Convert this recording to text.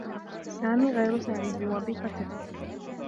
سامي غير سعيد بوظيفته.